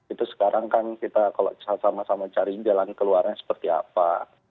itu sekarang kan kita kalau sama sama cari jalan keluarnya seperti apa